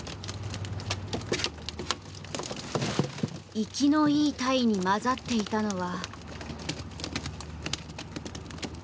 生きのいいタイに交ざっていたのは。